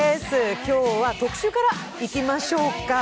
今日は特集からいきましょうか。